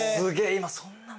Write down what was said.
今そんな。